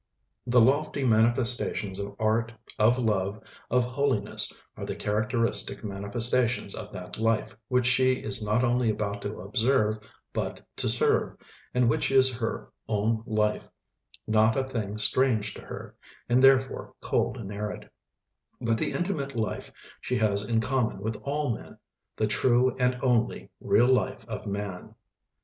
The lofty manifestations of art, of love, of holiness, are the characteristic manifestations of that life which she is not only about to observe but to serve, and which is her "own life"; not a thing strange to her, and therefore cold and arid; but the intimate life she has in common with all men, the true and only real life of Man.